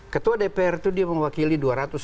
ketua dpr itu dia mewakili